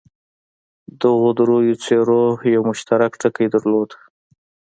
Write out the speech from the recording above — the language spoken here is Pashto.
دغو دریو څېرو یو مشترک ټکی درلود.